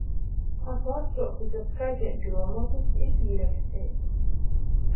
Asu atsuokuse skaiteit gruomotys i pīraksteit.